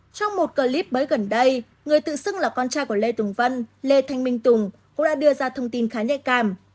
trong một clip mới gần đây người tự xưng là con trai của lê tùng vân lê thanh minh tùng cũng đã đưa ra thông tin khá nhạy cảm